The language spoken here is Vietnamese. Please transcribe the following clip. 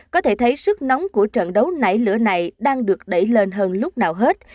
có thể thấy sức nóng của trận đấu nảy lửa này đang được đẩy lên hơn lúc nào hết